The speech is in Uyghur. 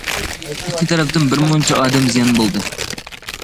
ئىككى تەرەپتىن بىر مۇنچە ئادەم زىيان بولدى.